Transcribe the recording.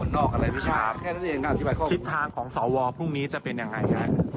ไม่ได้มีการแปลงแต่สามารถเปลี่ยนบุคคล